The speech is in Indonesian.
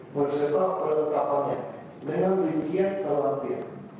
pasti masih kurang banyak kali